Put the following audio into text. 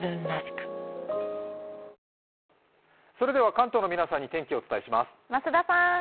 関東の皆さんに天気をお伝えします。